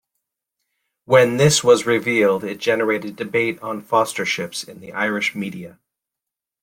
When this was revealed it generated debate on fosterships in the Irish media.